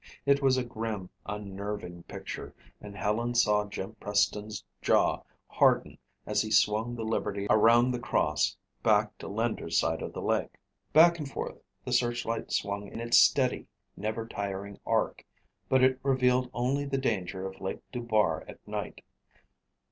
It was a grim, unnerving picture and Helen saw Jim Preston's jaw harden as he swung the Liberty around the cross back to Linder's side of the lake. Back and forth the searchlight swung in its steady, never tiring arc, but it revealed only the danger of Lake Dubar at night.